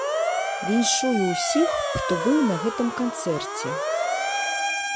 Віншую ўсіх, хто быў на гэтым канцэрце.